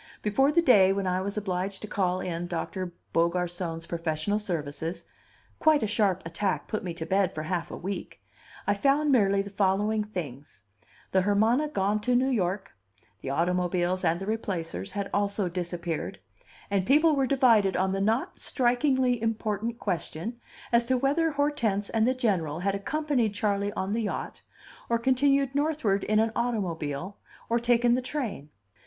Before the day when I was obliged to call in Doctor Beaugarcon's professional services (quite a sharp attack put me to bed for half a week) I found merely the following things: the Hermana gone to New York, the automobiles and the Replacers had also disappeared, and people were divided on the not strikingly important question as to whether Hortense and the General had accompanied Charley on the yacht, or continued northward in an automobile, or taken the train.